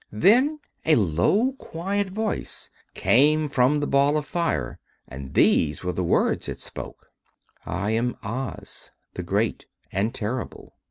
Then a low, quiet voice came from the Ball of Fire, and these were the words it spoke: "I am Oz, the Great and Terrible.